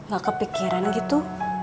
gak kepikiran gitu